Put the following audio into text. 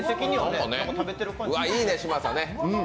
いいね、嶋佐ね。